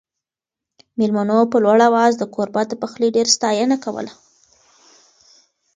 مېلمنو په لوړ اواز د کوربه د پخلي ډېره ستاینه کوله.